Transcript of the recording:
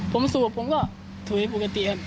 ผมสูบผมก็ถุยปกติครับ